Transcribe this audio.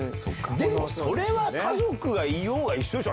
でもそれは家族がいようが、一緒でしょ。